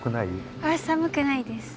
あっ寒くないです。